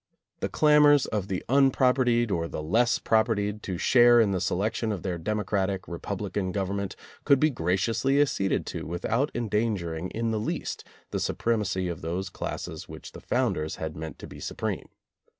The clamors of the un propertied or the less propertied to share in the se lection of their democratic republican government could be graciously acceded to without endanger ing in the least the supremacy of those classes which the founders had meant to be supreme.